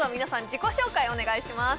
自己紹介をお願いします